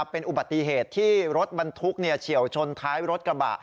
เป็นอุบัติเหตุที่รถบรรทุกเฉียวชนท้ายรถกระบะ